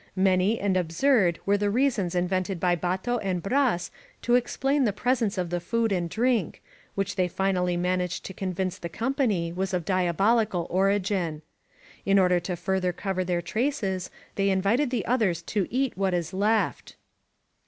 Many and absurd were the reasons invented by Bato and Bras to explain the presence of the food and drink, which they finally managed to convince the company was of diabolical origin. In order to further cover their traces they invited the others to eat what is left.